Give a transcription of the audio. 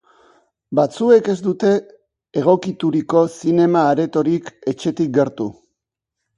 Batzuek ez dute egokituriko zinema-aretorik etxetik gertu.